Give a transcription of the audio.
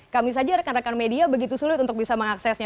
kami saja rekan rekan media begitu sulit untuk bisa mengaksesnya